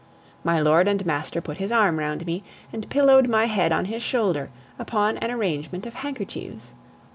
My lord and master put his arm round me and pillowed my head on his shoulder, upon an arrangement of handkerchiefs.